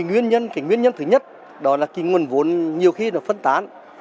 nguyên nhân cái nguyên nhân thứ nhất đó là cái nguồn vốn nhiều khi nó phân tán